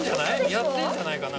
やってんじゃないかな